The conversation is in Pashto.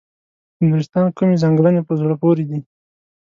د نورستان کومې ځانګړنې په زړه پورې دي.